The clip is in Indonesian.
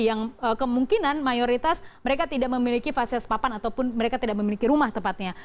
yang kemungkinan mayoritas mereka tidak memiliki fasilitas papan ataupun mereka tidak memiliki rumah tepatnya